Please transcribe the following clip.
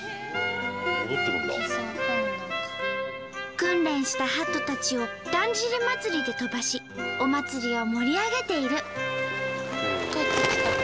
訓練したハトたちをだんじり祭で飛ばしお祭りを盛り上げている。